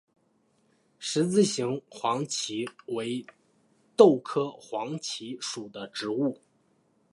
十字形黄耆为豆科黄芪属的植物。